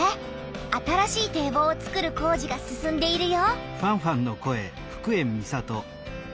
新しい堤防をつくる工事が進んでいるよ。